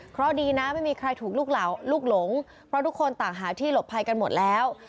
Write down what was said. เพราะดีนะไม่มีใครถูกลูกหลงเพราะทุกคนต่างหาที่หลบภัยกันหมดแล้ว